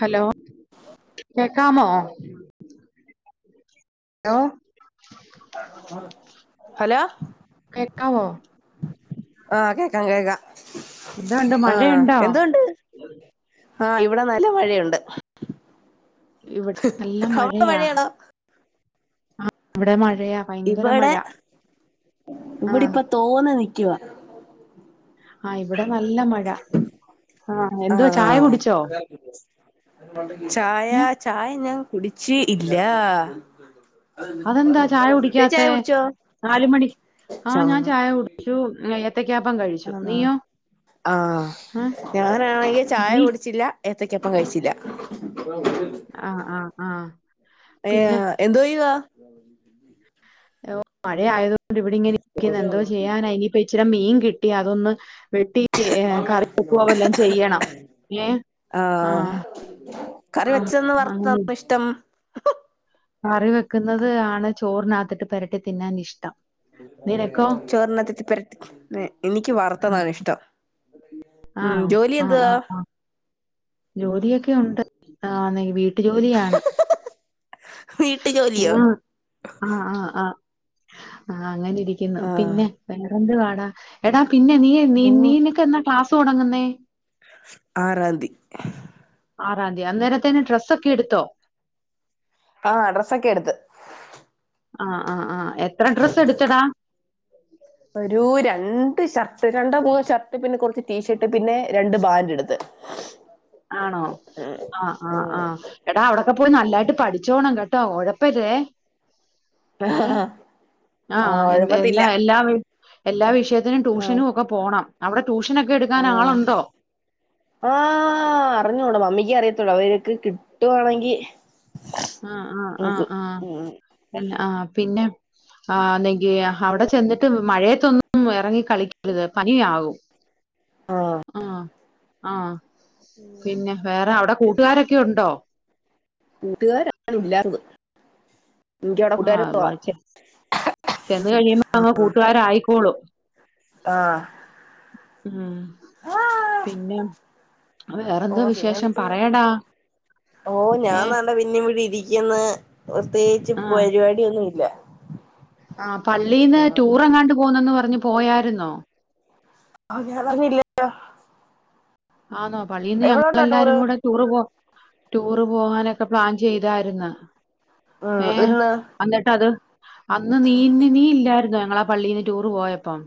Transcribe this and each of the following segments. Hello കേക്കാമോ? Hello? Hello. കേക്കാവോ ആ കേക്കാം കേക്കാ എന്തുണ്ട് ആ മഴയുണ്ടോ എന്തൊണ്ട്? ആ ഇവിടെ നല്ല മഴയൊണ്ട്. ഇവിടെ നല്ല അവിടെ മഴയാ. മഴയാണോ ഇവിടെ മഴ മഴയാ ഭയങ്കര ഇവടെ ഇവിടിപ്പോ ആ തോന്ന് നിക്കുവാ. ആ ഇവിടെ നല്ല മഴ. ആ എന്തുവാ ചായ കുടിച്ചോ ആ ഛായ ഏ ഛായ ഞാ കുടിച്ച് ഇല്ലാ. അതെന്താ ചായ ചേച്ചി കുടിക്കാത്തെ ഛായൊടിച്ചോ നാല് മണി ആ ഞാൻ ച്ചോന്ന് ചായ കുടിച്ചു ഏത്തക്കാപ്പം കഴിച്ചു. നീയോ? ആ ആ ഞാനാണെങ്കി ഛായ നീ കുടിച്ചില്ല ഏത്തക്കപ്പം കഴിച്ചില്ല. ആ ആ ആ ഏ പിന്നെ എന്തോയ്യുവാ? മഴയായതോണ്ട് ഇവിടെങ്ങനെ ഇരിക്ക്ന്ന് എന്തോ ചെയ്യാന ഇനിയിപ്പോ ഇച്ചര മീൻ കിട്ടി അതൊന്ന് വെട്ടി ഏ കറിവെക്കോ വല്ലോം ചെയ്യണം. ഏ ആ കറി ആഹ് വെച്ചന്ന് ആണ് വറുത്തന്നൊഷ്ടം? കറി വെക്കുന്നത് ആണ് ചോറിനകത്തിട്ട് പെരട്ടി തിന്നാനിഷ്ടം. ചോറിനത്തെത്തിപ്പര എ എനിക്ക് ഉം. വർത്തതാണിഷ്ടം. ഉം ആണോ ജോലി ആഹ് എന്തുവാ? ആഹ് ആഹ് ജോലിയൊക്കെ ഒണ്ട് ആന്നെ വീട്ടു ജോലിയാണ്. വീട്ടു ജോലിയോ ഓ ആ ആ ആ ആ അങ്ങനെ രിക്ക്ന്നു ആഹ് പിന്നെ എന്തെന്തുവാടാ എടാ പിന്നെ നീ നീ നീനക്കെന്ന ക്ലാസ് തൊടങ്ങുന്നേ? ആറാന്തി. ആറാന്തിയാ അന്നേരത്തിന് ഡ്രെസ്സൊക്കെ എടുത്തോ? ആഹ ഡ്രസ്സൊക്കെ എടുത്ത്. ആഹ ആഹ ആഹ എത്ര ഡ്രസ്സ് എടുത്തടാ? ഒരു രണ്ട് ഷർട്ട് രണ്ടോ മൂന്നോ ഷർട്ട് പിന്നെ കുറച്ച് ടീഷർട്ട് പിന്നെ രണ്ട് ബാൻഡ് എടുത്ത്. ആണോ ആ് ആ് ആഹ് എടാ അവിടൊക്കെ പോയി നല്ലായിട്ട് പഠിച്ചോണം കെ ട്ടോ ഒഴപ്പരുതേ. ഏ ആഹ് ആഹ എ ഒഴപ്പത്തില്ല എല്ലാ എല്ലാ എല്ലാ വിഷയത്തിനും ആഹ് ട്യൂഷനും ഒക്കെ പോണം അവിടെ ട്യൂഷനൊക്കെ ആഹ് എടുക്കാനാളുണ്ടോ? റിഞ്ഞൂട മമ്മിക്ക് അറിയത്തൊള്ളു അത് വരേക്ക് കിട്ടുവാണെങ്കി ആഹ് ആഹ ആഹ് നോക്കും ഉം ആഹ ആഹ് പിന്നെ ആ ലേ അവിടെ ചെന്നിട്ട് മഴയത്തൊന്നും ഇറങ്ങി കളിക്കരുത് പനിയകും. ആഹ ആ പിന്നെ വേറെ അവ്ടെ കൂട്ടുകാരൊക്കെ ഉണ്ടോ? കൂട്ടുകാരൊന്നുള്ളാര്ന്ന്. ആ അ വായിചെ ചെന്ന് കഴിയുമ്പ അങ്ങ് കൂട്ടുകാരായിക്കോളും. ആഹ. ഉം പിന്നെ ഓ വേറെന്ത പിന്നെ വിശേഷം എന്തുവാ? പറയടാ? ഓ ഞാൻ ഏഹ് താണ്ടെ പിന്നിവിടെ ഇരിക്കന്ന് പ്രത്യേകിച്ച് പരിപാടിയൊന്നുല്ല. ആ പള്ളീന്ന് ടൂർ എങ്ങാണ്ട് പോവുന്നന്ന് പറഞ്ഞ് പോയായിരുന്നോ? ആ ഞാനറിഞ്ഞില്ലല്ലോ. ആ ന്നോ പള്ളീന്ന് ഞങ്ങെല്ലാരും കൂടെ ടൂറ് പോ ടൂറ് പോകാനൊക്കെ പ്ലാൻ ചെയ്തായിര്ന്ന്. ഉം ഏഹ ഇന്ന് അന്നിട്ട് അത് അന്ന് നീ നീ ഇല്ലായിരുന്നോ ഞങ്ങള പള്ളിന്ന് ടൂറ് പോയപ്പം.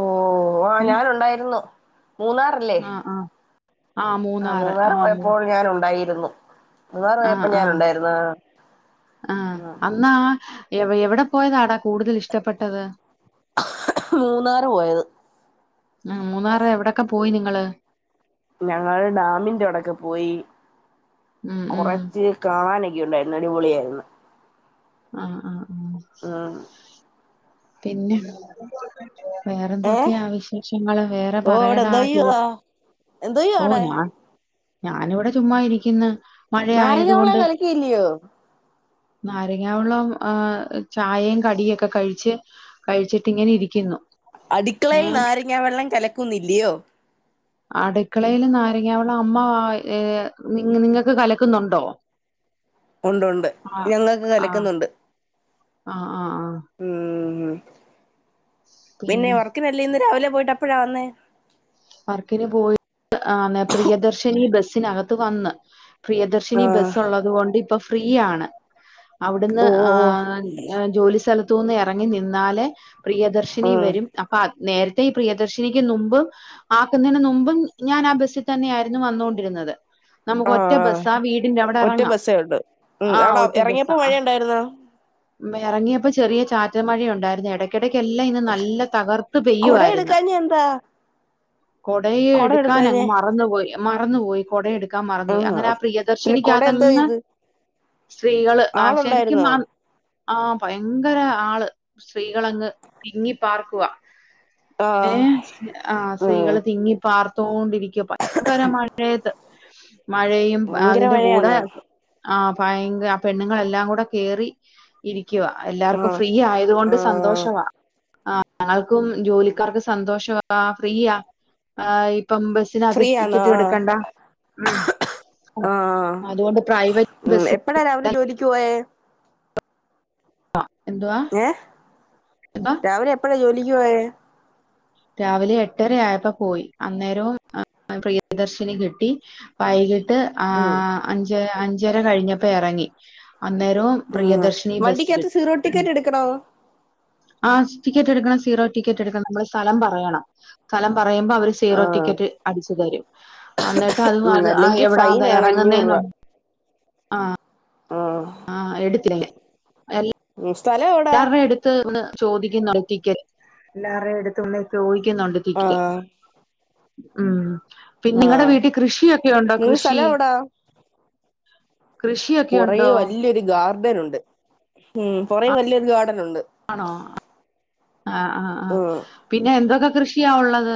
ഓ ആ ഉം. ഞാനുണ്ടായിരുന്നു. മൂന്നാറല്ലേ? ആ ആ. ആ മൂന്നാർ പോയപ്പോൾ ഞാൻ ഉണ്ടായിരുന്നു. മൂന്നാറ് ആ പോയപ്പം ആ ഞാൻ ഉണ്ടായിരുന്നു. ആ ഹ് എവ് എവിടെ പോയതാടാ കൂടുതലിഷ്ടപ്പെട്ടത്? മൂന്നാറ് പോയത് ആ മൂന്നാർ എവിടൊക്കെ പോയി നിങ്ങള് ഞങ്ങ ഡാമിന്റെ അടക്ക പോയി ഉം ഉം. കുറച്ച് കാണാനൊ ണ്ടായിരുന്ന അടിപൊളിയായിരുന്നു ആഹ് ആഹ ആഹ പിന്നെ ഏ വേറെന്തൊക്കെയാ വിശേഷങ്ങള് വേറെ ഓ അവിടെ പറയട എന്തോ ആ ചെയ്യുവാ എന്തോ ആട ഞാനിവിടെ ചുമ്മാ ഇരിക്കുന്ന നാരിക വള്ളം കലിക്കിയില്ലയോ നാരങ്ങ വള്ളം ചായയും കടിയും ഒക്കെ കഴിച്ച് കഴിച്ചിട്ട് ഇങ്ങനെ ഇരിക്കുന്നു ഏ അടുക്കളയിൽ നാരങ്ങ വെള്ളം കലക്കുന്നില്ലയോ അടുക്കളൽ നാരങ്ങള വെള്ളം അമ്മ ഏ നി നിങ്ങൾക്ക് കലക്കുന്നുണ്ടോ ഉണ്ട് ഉണ്ട് ഞങ്ങൾക്ക് കലക്കുന്നുണ്ട് ആഹ ആഹ ആഹ ഉ പിന്നെ ഉറക്കിനല്ല ഇന്ന് രാവിലെ പോയിട്ട് അപ്പഴാ വന്നേ വർക്കിന് പോയി്ന്ന പ്രിയദർശനി ബസിനകത്ത് വന്ന് പ്രിയദർശിനി ആഹ് ബസ്സൊള്ളത് കൊണ്ട് ഇപ്പൊ ഫ്രീയാണ് അവിടുന്ന് ഓ ആ ഓ ജോലി സ്ഥലത്തൂന്ന് എറങ്ങി നിന്നാലേ പ്രിയദർശിനി ഉം വരും അപ്പൊ നേരത്തെ ഈ പ്രിയദർശിനിക്ക് നുമ്പ് ആക്കുന്നേന് നുമ്പും ഞാൻ ആ ബസ്സിൽ തന്നെയാരുന്നു വന്നൊണ്ടിരുന്നത് നമുക്ക് ഒറ്റ ആഹ് ബസ്സാ വീടിന്റവിടെ ഒറ്റ എറങ്ങാം ബസ്സേ ഉള്ളു ഉം ആ അവിടെ ഒറ്റ ഇറങ്ങിയപ്പോ ബസ്സാ മഴ ഉണ്ടായിരുന്നോ എറങ്ങിയപ്പോ ചെറിയ ചാറ്റമഴയൊണ്ടാരുന്നു ഇടയ്ക്കിടക്ക് ല്ലാം ഇന്ന് നല്ല തകർത്തു കൊട പെയ്യുവാരുന്ന് എടുക്കാഞ്ഞെ എന്താ കൊടയു കൊട എടുക്കാനങ്ങ് എടുക്കാഞ്ഞെ മറന്ന് പോയി മറന്ന്പോയി കൊട എടു ൻ മറന്നോയി അങ്ങനെ ആഹ് ആ പിന്നെ കൊട എന്തോ പ്രിയദർശനിക്കാതങ് ചെയ്ത് സ്ത്രീകള് ആ ശരിക്കും ആളുണ്ടായിരുന്നോ മാ ആ ഭയങ്കര ആള് സ്ത്രീകളങ്ങ് തിങ്ങി പാർക്കുവാ ഏ ആഹ് ആഹ ഉം സ്ത്രീകള് തിങ്ങി പാർത്തോണ്ടിരിക്ക പയ്ങ്കര മഴേത് മഴയും ഭയങ്കര അതിന്റെ കൂടെ മഴയാന്നോ ഭയങ്കര ആ പെണ്ണുങ്ങളെല്ലാം കൂടെ കേറി നി ക്ക്വ എല്ലാവർക്കും ആഹ് ഫ്രീ ആയതുകൊണ്ട് ആഹ് സന്തോഷവാ ആ [unintelligible] ഉം ജോലിക്കാർക്ക് സന്തോഷവാ ഫ്രീ ആ ഇപ്പം ബസിന് അത് ഫ്രീ ടിക്കറ്റു എടുക്കണ്ട ഉ ആ ഉം ബസ് എപ്പഴ രാവിലെ ജോലിക്ക് പോയേ എന്തുവാ ഏഹ് എന്തുവാ രാവിലെ എപ്പഴാ ജോലിക്ക് പോയ രാവിലെ എട്ടര ആയപ്പോ പോയി അന്നേരവും പ്രിയദർശിനി കിട്ടി ട്ട് ആ ഉം അഞ്ച് അഞ്ചര കഴിഞ്ഞപ്പോ ഇറങ്ങി അന്നേരൊം ആഹ് പ്രിയദർശിനി ബസ് വണ്ടിക്കകത്ത് കിട്ടി സീറോ ടിക്കറ്റ് എടുക്കണോ ആ ടിക്കറ്റ് എടുക്കണം സീറോ ടിക്കറ്റ് എടുക്കണം മ്മള് സ്ഥലം പറയണം സ്ഥലം പറയുമ്പോ അവര് സീറോ ആഹ് ടിക്കറ്റ് അടിച്ചു തരും അന്നിട്ട് അത് ഉം അത് അല്ലെങ്കി എവിടാ ഫൈനാണ് അഞ്ഞൂറ് ഇറങ്ങുന്നെന്ന രൂപ ആ ആഹ് എടുക്കേല്ല സ്ഥലം എവിടാ എല്ലാരുടെ എടുത്ത് ഒന്ന് ചോദിക്ക നോക്കിക്കൻ എല്ലാരുടെ അടുത്ത് ഒന്ന് ചോദ ക്കുന്നുണ്ട് ക്കറ്റ് ആഹ് ഉ പിന്നെ നിങ്ങടെ ആഹ് വീട്ടിൽ കൃഷിയൊക്കെ ഉണ്ടോ നിങ്ങടെ കൃഷി സ്ഥലം എവിടാ കൃഷിയൊക്കെയുണ്ടോ ണ്ട് ഉം കൊറേ വല്യൊരു ഗാർഡൻ ഉണ്ട് ആണോ ആ ആ ആ. ഉം പിന്നെ എന്തൊക്കെ കൃഷിയാ ഒള്ളത്?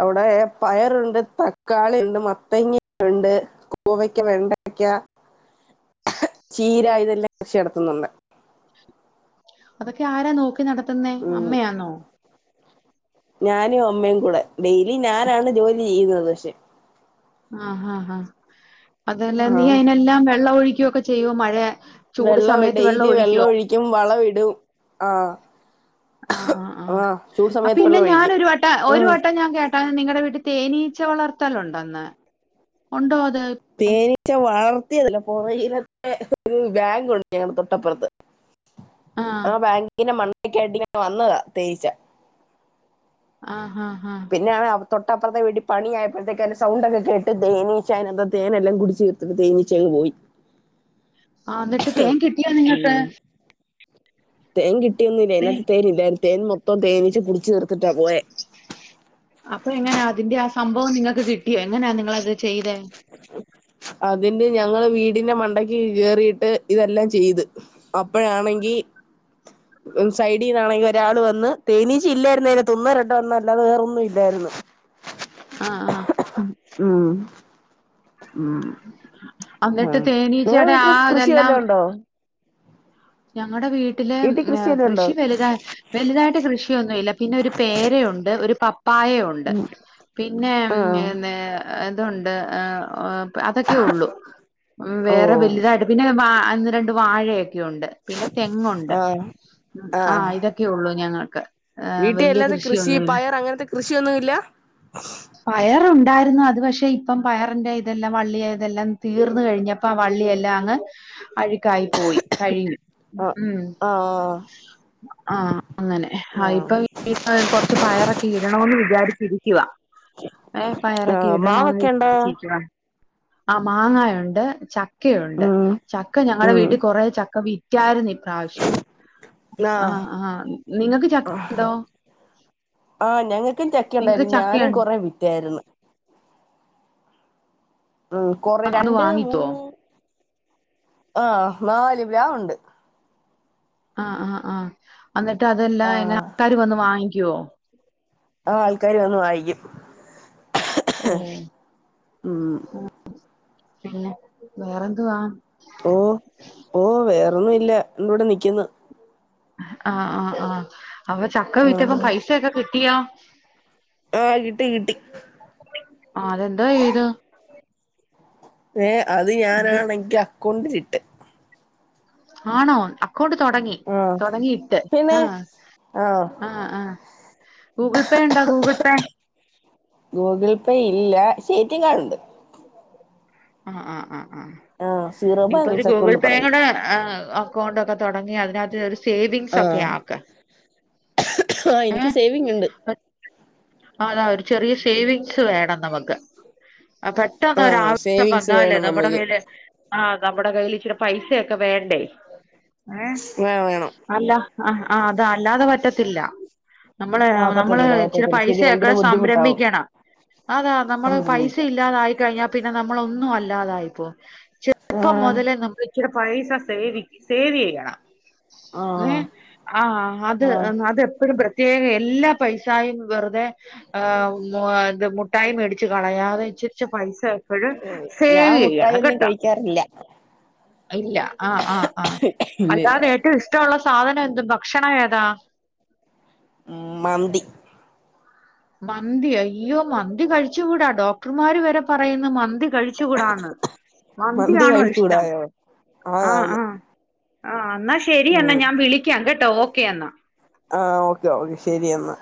അവിടെ പയറുണ്ട്, തക്കാളിയുണ്ട്, മത്തങ്ങയുണ്ട് പൂവയ്ക്ക്, വെണ്ടയ്ക്ക ചീരായിതെല്ലാം കൃഷി നടത്തുന്നുണ്ട്. അതൊക്കെ യാരാ നോക്കി നടത്തുന്നേ ഉം അമ്മയാന്നോ? ഞാനും അമ്മയും കൂടെ, ഡെയിലി ഞാനാണ് ജോലി ചെയ്യുന്നത് പഷെ. ആ ആ ഹാ അതല്ല നീ ആഹ് അയിനെല്ലാം വെള്ളം ഒഴിക്കൊക്കെ ചെയ്യുവോ മഴയ വെള്ളം ഡെയ്ലി വെള്ളം ഒഴിക്കും വളം ഇടും ആ. ആ ആ ആ അ പിന്നെ വെള്ളം ഒഴിക്കും ഞാനൊരു വട്ടം ഒരു ഉം വട്ടം ഞാൻ കേട്ടാ നിങ്ങളടെ വീട്ടിൽ തേനീച്ച വളർത്തലൊണ്ടെന്ന് ഒണ്ടോ അത് തേനീച്ച വളർ യതല്ല പോറകിലത്തെ ഒരു വാങ്കുണ്ട് ഞങ്ങടെ തൊട്ടപ്പുറത്ത് ആ വാങ്കിന്റെ മണ്ടക്കായിട്ട് ങ്ങനെ വന്നതാ തേനീച്ച. ആഹ്ഹ പിന്നെയാണ് അവ തൊട്ടപ്പുറത്തെ വീട്ടി പണിയായപ്പോഴത്തേക്ക് അയിന്റെ സൗണ്ടൊക്കെ കേട്ട് തേനീച്ചഅയ്ന ത്തെ തേനെല്ലാം കുടിച്ച് തീർത്തിട്ട് തേനീച്ചയങ് പോയി. ആ എന്നിട്ട് തേൻ കിട്ടിയോ നിങ്ങക്ക്? ഉം തേൻ കിട്ടിയൊന്നുംല്ല. ഇനകത്ത് തേൻ ഇല്ലായിരുന്ന് തേൻ മൊത്തം തേനിച്ച് കുടി അപ്പൊ എങ്ങനാ ത് തിന്റെ ആ സംഭവം നിങ്ങൾക്ക് കിട്ടിയോ എങ്ങനെയാ നിങ്ങളത് ചെയ്തെ? [unintelligible] അതിന്റെ ഞങ്ങള് വീടിന്റെ മണ്ടയ്ക്ക് കയറീട്ട് ഇതെല്ലാം ചെയ്ത് അപ്പഴാണെങ്കി [unintelligible] ഉം സൈഡീന്നാണെങ്കി ഒരാൾ വന്ന് തേനീച്ച ഇല്ലായിരുന്ന് അതിനാത്ത് ഒന്നോ രണ്ടോ എണ്ണം അല്ലാതെ വേറൊന്നും ഇല്ലാര്ന്ന്. ആ, ആ. ഉം ഉം എന്നിട്ട് ഉം നിങ്ങളെ തേനീച്ചയുടെ ആ വീട്ടില് കൃഷി ഇതെല്ലാം വല്ലോണ്ടോ? ഞങ്ങടെ വീട്ടില് വല്ലോം ഉണ്ടോ കൃഷി വലുത വലുതായിട്ട് കൃഷിയൊന്നൂല്ല പിന്നെ ഒരു പേരയൊണ്ട്, ഒരു പപ്പായയൊ ഉം പിന്നെ ഞ് ഞ് ഇതുണ്ട് എ ഓ അതൊക്കെ ഒള്ളൂ. വേറെ ഓഹ് വലുതായിട്ട് പിന്നെ വാ ന്ന് രണ്ട് വാഴയൊക്കെ ഉണ്ട്. പിന്നെ തെങ്ങുണ്ട് ആഹ് ആഹ ആഹ് ഇതൊക്കെ ഒ ള്ളൂ ഞങ്ങൾക്ക്. വീട്ടിൽ വലിയ അല്ലാതെ കൃഷി ഒന്നും പയർ അങ്ങനത്തെ കൃഷിയൊന്നുമില്ല പയറുണ്ട് ണ്ടായിരുന്നു അത് പക്ഷെ ഇപ്പം പയറിന്റെ ഇതെല്ലാം വള്ളിയതെല്ലാം തീർന്ന് കഴിഞ്ഞപ്പം ആ വള്ളിയെല്ലാം അങ്ങ് അഴ്ക്കായി പോയി കഴിഞ്ഞു. ആഹ് ഉം ആഹ ആഹ് അങ്ങനെ ആ ആഹ് ഇപ്പൊ കൊറച്ച് പയറൊക്കെ ഇടണന്ന് വിചാരിച്ചിരിക്കുവ ഏഹ് പായറൊക്കെ ആഹ് മാവൊക്കെ ഉണ്ടോ ഇടണോന്നച്ച് ഇരിക്കുവാ. ആ മാങ്ങായുണ്ട്, ചക്കയുണ്ട് ഉം ചക്ക ഞങ്ങളടെ ഉം വീട്ടി കൊറെ ചക്ക വീ റ്റായിരുന്നു ഇ പ്രാവശ്യംആ ആഹ ആഹ് നിങ്ങക്ക് ചക്കയുണ്ടോ? ആഹ ഞങ്ങൾക്കും ചക്കണ്ടായിരുന്നു ഞാനും ചക്കയുണ്ടോ കുറേ വിറ്റായിരുന്ന. ഉം കൊറെ അന്ന് രണ്ട്, വാങ്ങിക്കോ മൂന്ന് ആഹ നാല് പ്ലാവ് ഉണ്ട്. ആഹ് ആഹ് ആഹ് അന്നട്ട് അതെല്ലാം ങ്ങനെ ആഹ് ആക്കാര് വന്ന് വാങ്ങിക്കുവോ? ആ ആൾക്കാാര് വന്ന് വായിക്കും. ഇഹ് ഇഹ് ഓഹ് ഉം. പിന്നെ വേറെന്തുവാ? ഓ ഓ വേറെൊന്നും ഇല്ല എന്തൂടെ നിക്കുന്നു ആഹ ആഹ ആഹ അപ്പൊ ചക്ക വിറ്റപ്പോ ആഹ് പൈസൊക്കെ കിട്ടിയാ ആഹ് കിട്ടി കിട്ടി ആ അതെന്താ ചെയ്ത് ഏ അത് ഞാനാണെങ്കി അക്കൗണ്ടിലിട്ട് ആണോ അക്കൗണ്ട് തുടങ്ങി ആഹ് തുടങ്ങിയിട്ട് പിന്നെ ആഹ് ആഹ് ആ ഗൂഗിൾ പേ ഉണ്ടോ ഗൂഗിൾ പേ ഗൂഗിൾ പേ ഇല്ല പക്ഷെ എ ടി എം കാർഡ് ഉണ്ട് ആഹ ആ ആ ആ ആഹ് സീറോ ഇ ഇപ്പൊ ഒരു ബാലൻസ് ഗൂഗിൾ അക്കൗണ്ട് പേ തുടങ്ങി കൂടെ ആ അക്കൗണ്ട് ഒക്കെ തുടങ്ങി അതിനകത്ത് ഒരു സേവിംഗസക്കെ ആഹ് ആക്ക ആഹ് എനിക്ക് ഏഹ് സേവിങ് ഉണ്ട് അതാ ഒരു ചെറിയ സേവിങ്സ് വേണം നമുക്ക് ആഹ് പെട്ടെന്നൊരാവ ശ്യം സേവിങ്സ് വന്നാൽ വേണം നമ്മുടെ നമുക്ക് മേൽ ആഹ് നമ്മുടെ കയ്യിൽ ഇച്ചിരി പൈസൊക്കെ വേണ്ടേ ഏ വേണം വേണം അല്ല ആ ആ അത അല്ലാതെ പറ്റത്തില്ല നമ്മള് ആഹ് നമ്മള് പറ്റത്തില്ല ചില പറ്റത്തില്ല ശരി പൈസയൊക്കെ ഭയങ്കര ബുദ്ധിമുട്ടാവും സംരംഭിക്കണം അതാ നമ്മള് പൈസ സമ്മതിക്കാൻ ഇല്ലാതായിക്കഴിഞ്ഞാ പി നമ്മള് ഒന്നും അല്ലാതായപ്പോ ചെറുപ്പം ആഹ് മുതലേ നമ്മക്ക് ചില പൈസ സേവിക്ക സേവ് ചെയ്യണം ഏ ആഹ് ആ അത് ആഹ് അതെപ്പോഴും പ്രത്യേക എല്ലാ പൈസായ വെറുതെ് മുട്ടായ മേടി ച്ച് കളയാതെ ഇച്ച് ഇച്ച് പൈസ എപ്പോഴും ഞാൻ സേവ് ചെയ്യണം, മുട്ടായൊന്നും കെട്ടോ കഴിക്കാറില്ല ഇല്ല ആ ആഹ് ആഹ് ഇല്ലില്ല അല്ലാതെ ഏറ്റവും ഇഷ്ടമുള്ള സാധനം എന്തും, ഭക്ഷണം ഏതാ ഉം, മന്തി മന്തി അയ്യോ മന്തി കഴിച്ച കൂടാ ഡോക്ടർമാര് വരെ പറയുന്നു മന്തി മന്തി കഴിച്ചുകൂടന്ന്, മന്തി മന്തിയാണോ ഇഷ്ടം കഴിച്ചൂടായോ ആഹ ആതാന്ന് ആഹ ആ എന്നാ ശരി എന്നാ ഞാൻ വിളിക്കാം കേട്ടോ ഓക്കെ എന്നാ ആഹ ഓക്കെ ഓക്കെ ശെരി എന്നാ